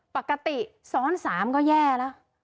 ปกติซ้อน๓ก็แย่แล้ว